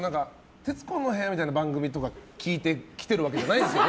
「徹子の部屋」みたいな番組とかって聞いて来ているわけじゃないですよね。